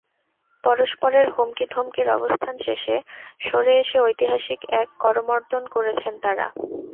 পরস্পরের হুমকি ধমকির অবস্থান শেষে সরে এসে ঐতিহাসিক এক করমর্দন করেছেন তাঁরা।